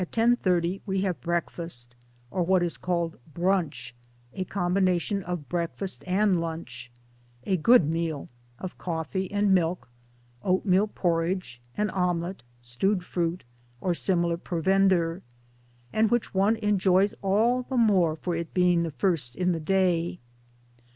30 we have break fast or what is called ' brunch,' a combination of breakfast and lunch a g;ood meal of coffee and milk, oatmeal porridge, an omelet, stewed fruit, or similar provender, and which one enjoys all the more for its being the first in the day.